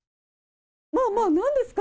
まぁまぁ何ですか？